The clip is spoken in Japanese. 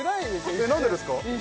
一瞬何でですか？